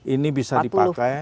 ini bisa dipakai